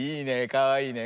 かわいいね。